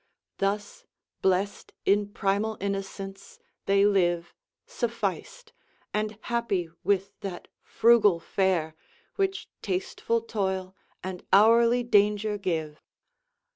Thus blest in primal innocence they live, Sufficed and happy with that frugal fare Which tasteful toil and hourly danger give.